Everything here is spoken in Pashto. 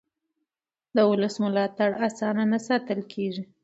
د ولس ملاتړ اسانه نه ساتل کېږي